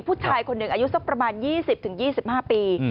ผู้ชายคนหนึ่งอายุสักประมาณ๒๐๒๕ปี